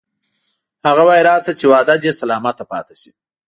هغه وایی راشه چې وعده دې سلامته پاتې شي